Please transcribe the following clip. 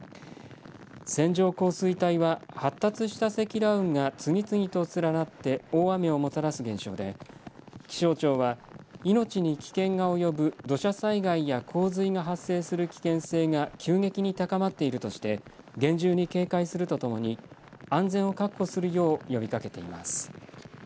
線状降水帯は発達した積乱雲が次々と連なって大雨をもたらす現象で気象庁は命に危険が及ぶ土砂災害や洪水が発生する危険性が急激に高まっているとして厳重に警戒するとともに安全を確保するよう呼びかけています。